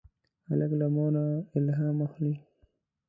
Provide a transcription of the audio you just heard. هلک له مور نه الهام اخلي.